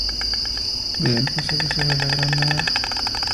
Vea el pasaje sobre la granada.